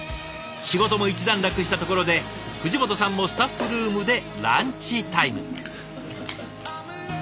仕事も一段落したところで藤本さんもスタッフルームでランチタイム。